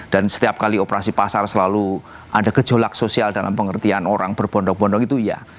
dan setiap kali operasi pasar selalu ada kejolak sosial dalam pengertian orang berbondok bondok itu ya